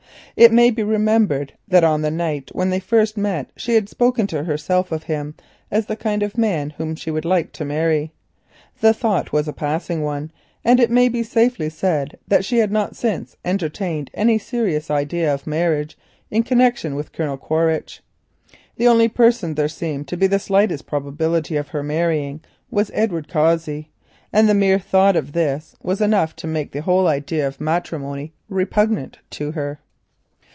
It may be remembered that on the night when they first met she had spoken to herself of him as the kind of man whom she would like to marry. The thought was a passing one, and it may be safely said that she had not since entertained any serious idea of marriage in connection with Colonel Quaritch. The only person whom there seemed to be the slightest probability of her marrying was Edward Cossey, and the mere thought of this was enough to make the whole idea of matrimony repugnant to her.